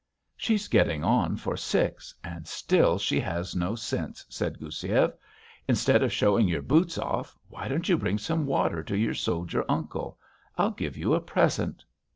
"She's getting on for six and still she has no sense!" said Goussiev. "Instead of showing your boots off, why don't you bring some water to your soldier uncle? I'll give you a present."